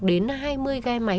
đến hai mươi gai máy